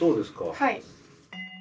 はい。